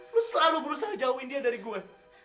lu selalu berusaha jauhin dia dari gue